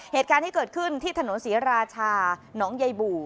เหตุการณ์ที่เกิดขึ้นที่ถนนศรีราชาน้องใยบู่